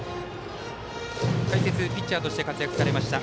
解説、ピッチャーとして活躍されました